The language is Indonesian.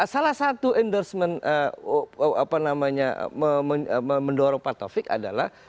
salah satu endorsement apa namanya mendorong pak taufik adalah